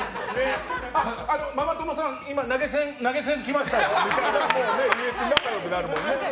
ママ友さん、今投げ銭来ましたよって言って仲良くなるもんね。